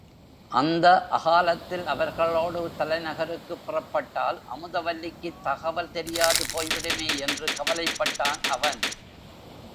அந்த அகாலத்தில் அவர்களோடு தலைநகருக்குப் புறப்பட்டால் அமுதவல்லிக்குத் தகவல் தெரியாது போய்விடுமே என்று கவலைப்பட்டான் அவன்.